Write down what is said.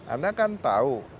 anda kan tahu